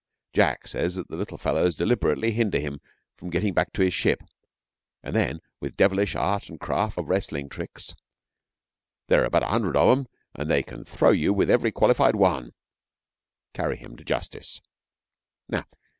Jack says that the little fellows deliberately hinder him from getting back to his ship, and then with devilish art and craft of wrestling tricks 'there are about a hundred of 'em, and they can throw you with every qualified one' carry him to justice.